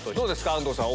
安藤さん